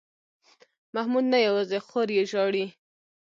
محمود نه یوازې خور یې ژاړي.